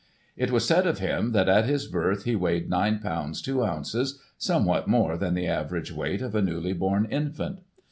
It was said of him, that, at his birth, he weighed 9 lbs. 2 oz., somewhat more than the average weight of a newly born infant.